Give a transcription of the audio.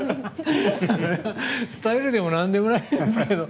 スタイルでもなんでもないですけど。